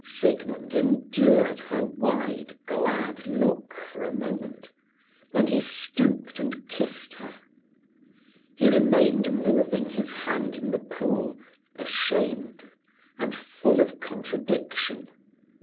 Siegmund endured her wide, glad look for a moment, then he stooped and kissed her. He remained moving his hand in the pool, ashamed, and full of contradiction.